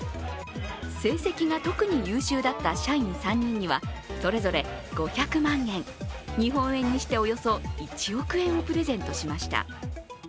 成績が特に優秀だった社員３人にはそれぞれ５００万円日本円にしておよそ１億円をプレゼントしました。